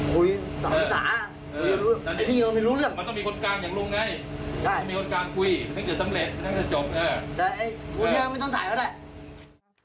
ก้นย่างไม่ต้องถ่ายเขาได้